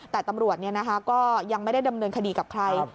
แต่ตำรวจก็ยังไม่ได้ดำเนินคดีกับใคร